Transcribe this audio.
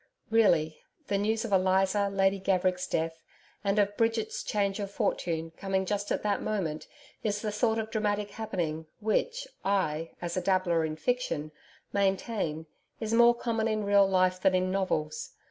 Really, the news of Eliza Lady Gaverick's death, and of Bridget's change of fortune, coming just at that moment, is the sort of dramatic happening, which I as a dabbler in fiction maintain, is more common in real life than in novels.